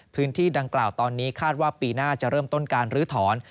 พื้นที่ดังกล่าวตอนนี้คาดว่าปีหน้าจะเริ่มต้นการลื้อถอน